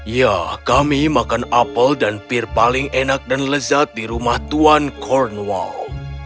ya kami makan apel dan pir paling enak dan lezat di rumah tuan cornwall